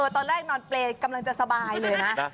ตอนแรกนอนเปรย์กำลังจะสบายเลยนะ